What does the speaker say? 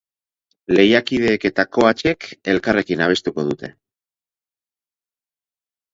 Lehiakideek eta coach-ek elkarrekin abestuko dute.